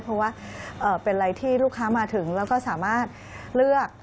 เพราะว่าเป็นอะไรที่ลูกค้ามาถึงแล้วก็สามารถเลือก